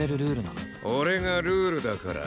俺がルールだから。